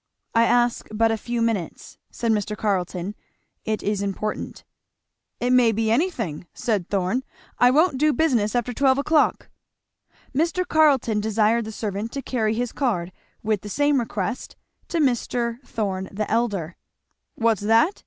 "I ask but a few minutes," said Mr. Carleton. "It is important." "It may be any thing!" said Thorn. "I won't do business after twelve o'clock." Mr. Carleton desired the servant to carry his card, with the same request, to Mr, Thorn the elder. "What's that?"